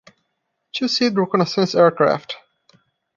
Two-seat reconnaissance aircraft.